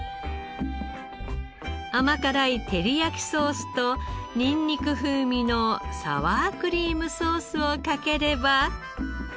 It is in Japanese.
甘辛いてりやきソースとニンニク風味のサワークリームソースをかければ。